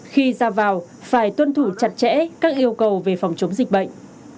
khi ra vào phải tuân thủ chặt chẽ các yêu cầu về phòng chống dịch bệnh